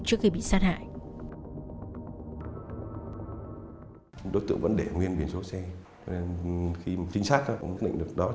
trước khi bị sát hại